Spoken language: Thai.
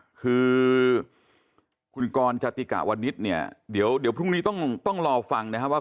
อ่าคือคุณกรจติกวรณิดนี้เดี๋ยวพรุ่งนี้ต้องต้องลอฟังน่ะครับว่า